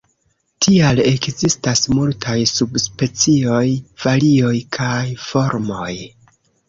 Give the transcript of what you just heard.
Tial ekzistas multaj subspecioj, varioj kaj formoj.